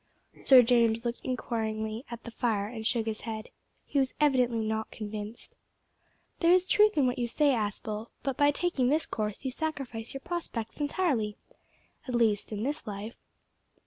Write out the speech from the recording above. Sir James looked inquiringly at the fire and shook his head. He was evidently not convinced. "There is truth in what you say, Aspel, but by taking this course you sacrifice your prospects entirely at least in this life."